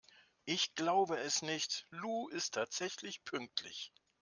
Ich glaube es nicht, Lou ist tatsächlich pünktlich!